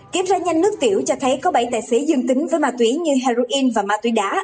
kiểm tra nhanh nước tiểu cho thấy có bảy tài xế dương tính với ma túy như heroin và ma túy đá